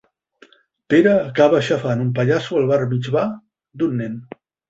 Pere acaba aixafant un pallasso al bar mitsvà d'un nen.